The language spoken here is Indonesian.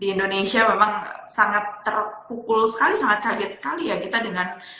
di indonesia memang sangat terpukul sekali sangat kaget sekali ya kita dengan